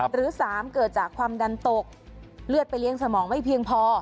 หรือ๓เกิดจากความดันตกเลือดไปเลี้ยงสมองไม่เพียงพอ